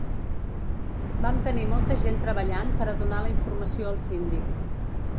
Vam tenir molta gent treballant per a donar la informació al síndic.